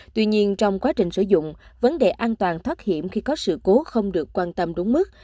tuy nhiên trong quá trình sử dụng vấn đề an toàn thoát hiểm khi có sự cố không được quan tâm đúng mức